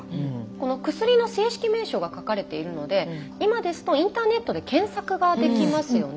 この薬の正式名称が書かれているので今ですとインターネットで検索ができますよね。